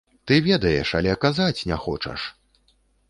Ты ведаеш, але казаць не хочаш!